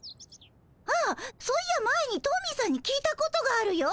あっそういや前にトミーさんに聞いたことがあるよ。